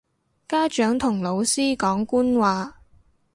家長同老師講官話